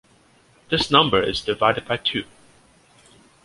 This number is divided by two.